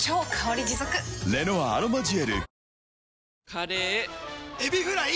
カレーエビフライ！